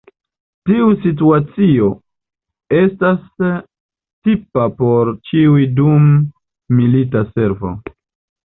Tiu situacio estas tipa por ĉiuj dum milita servo.